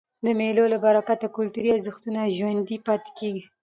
د مېلو له برکته کلتوري ارزښتونه ژوندي پاته کېږي.